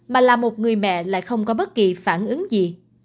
mà là một người mẹ lại không có bất kỳ phản ứng gì